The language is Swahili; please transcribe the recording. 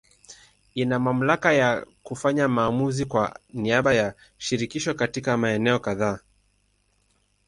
Ina mamlaka ya kufanya maamuzi kwa niaba ya Shirikisho katika maeneo kadhaa.